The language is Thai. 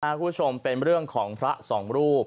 คุณผู้ชมเป็นเรื่องของพระสองรูป